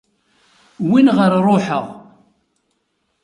Win ɣer ṛuḥeɣ.